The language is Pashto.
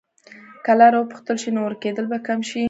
که لاره وپوښتل شي، نو ورکېدل به کم شي.